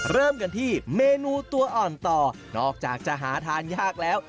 เริ่มกันที่เมนูตัวอ่อนต่อนอกจากจะหาทานยากแล้ว